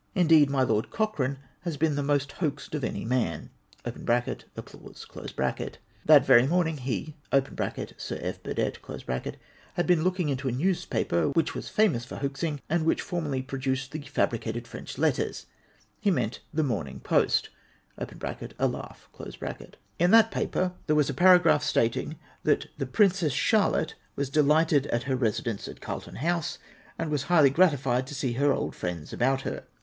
Indeed my Lord Cochrane has been the most hoaxed of any man (ap'plause). That very morning he (Sir F. Burdett) had been looking into a newspaper which was famous for hoaxing, and which formerly produced the fabricated French news — he meant the Morning Post (a laugh). In that paper there was a para graph, stating that the Princess Charlotte was delighted at her residence at Carlton House, and was highly gratified to see her old friends about her.